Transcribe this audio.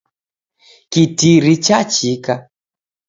Kitiri chachika.